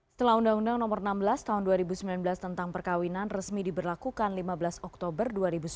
setelah undang undang nomor enam belas tahun dua ribu sembilan belas tentang perkawinan resmi diberlakukan lima belas oktober dua ribu sembilan belas